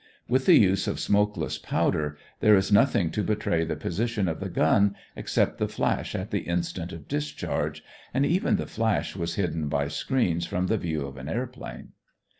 With the use of smokeless powder, there is nothing to betray the position of the gun, except the flash at the instant of discharge, and even the flash was hidden by screens from the view of an airplane.